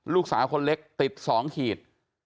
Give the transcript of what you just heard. ลูกสาวคนเล็กติด๒ขีด